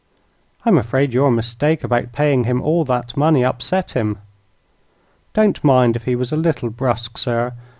I'm afraid your mistake about paying him all that money upset him. Don't mind if he was a little brusque, sir.